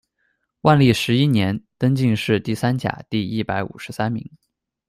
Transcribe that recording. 万历十一年，登进士第三甲第一百五十三名。